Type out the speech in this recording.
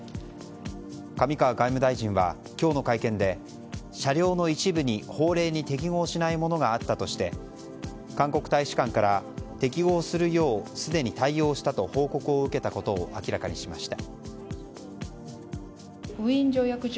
上川外務大臣は今日の会見で車両の一部に法令に適合しないものがあったとして韓国大使館から適合するようすでに対応したと報告を受けたことを明らかにしました。